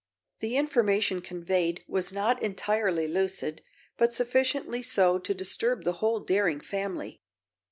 The information conveyed was not entirely lucid, but sufficiently so to disturb the whole Daring family.